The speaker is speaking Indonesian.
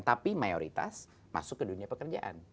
tapi mayoritas masuk ke dunia pekerjaan